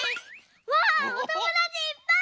わあおともだちいっぱい！